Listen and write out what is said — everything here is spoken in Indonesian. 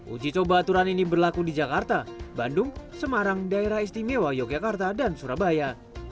uji coba aturan ini berlaku di jakarta bandung semarang daerah istimewa yogyakarta dan surabaya